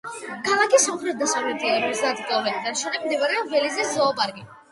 ქალაქის სამხრეთ-დასავლეთით, ორმოცდაათი კილომეტრის დაშორებით, მდებარეობს ბელიზის ზოოპარკი.